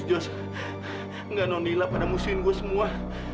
tidak nona lila anda memusuhkan saya semua